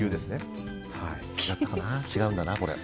違うんだな、これ。